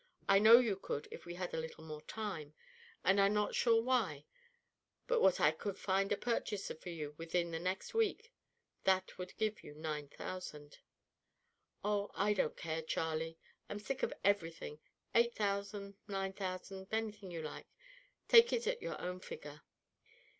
I know you could if we had a little more time, and I'm not sure but what I could find a purchaser for you within the next week that would give you nine thousand." "Oh, I don't care, Charlie; I'm sick of everything; eight thousand, nine thousand, anything you like; take it at your own figure."